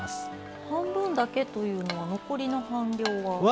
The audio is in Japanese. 半分だけというのは残りの半量は。